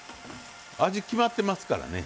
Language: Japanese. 味決まってますからね。